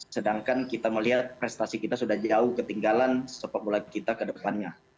sedangkan kita melihat prestasi kita sudah jauh ketinggalan sepak bola kita ke depannya